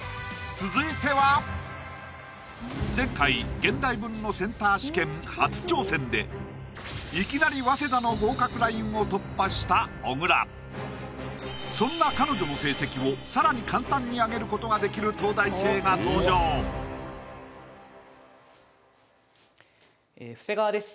続いては前回現代文のセンター試験初挑戦でいきなり早稲田の合格ラインを突破した小倉そんな彼女の成績を更に簡単に上げることができる東大生が登場布施川です